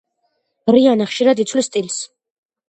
რიანა ხშირად იცვლის სტილს.